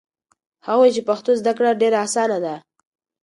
هغه وویل چې پښتو زده کړه ډېره اسانه ده.